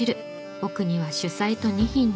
奥には主菜と２品の副菜。